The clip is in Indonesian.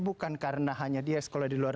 bukan karena hanya dia sekolah di luar